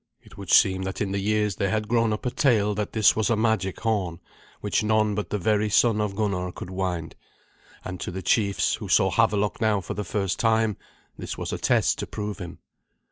It would seem that in the years there had grown up a tale that this was a magic horn, which none but the very son of Gunnar could wind, and to the chiefs who saw Havelok now for the first time this was a test to prove him.